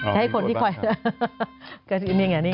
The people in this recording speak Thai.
อ๋อมีก็อวดบ้างค่ะ